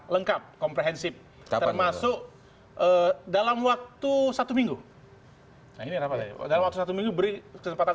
lengkap komprehensif termasuk dalam waktu satu minggu ini rapatnya dalam waktu satu minggu beri kesempatan